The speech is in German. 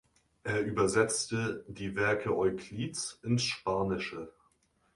Er übersetzte die Werke Euklids ins Spanische.